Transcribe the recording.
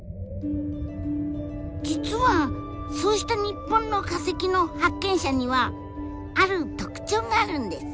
実はそうした日本の化石の発見者にはある特徴があるんです。